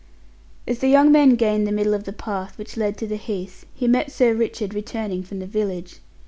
As the young man gained the middle of the path which led to the Heath, he met Sir Richard returning from the village.